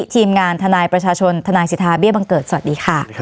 ทีมงานทนายประชาชนทนายสิทธาเบี้ยบังเกิดสวัสดีค่ะ